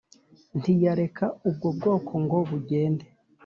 Ntiyareka ubwo bwoko ngo bugende